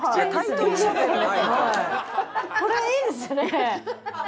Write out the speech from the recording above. これいいですね。